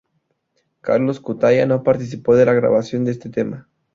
Carlos Cutaia no participó de la grabación de este tema.